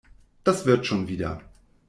Das wird schon wieder.